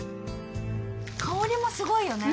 香りもすごいよね